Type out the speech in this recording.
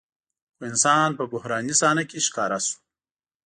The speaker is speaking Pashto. خو انسان په بحراني صحنه کې ښکاره شو.